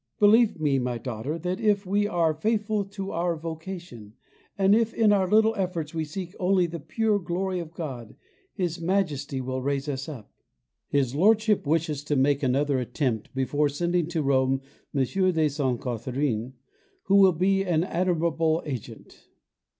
Believe me, daughter, that if we are faithful to our vocation, and if in our little efforts we seek only the pure glory of God, His majesty will raise us up. His Lordship wishes us to make another attempt before sending to Rome M. de Sainte Catherine, who will be an admirable agent.